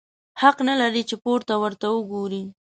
حق نه لرې چي پورته ورته وګورې!